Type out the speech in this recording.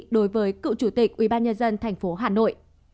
đối với cựu chủ tịch ubnd thành phố hà nội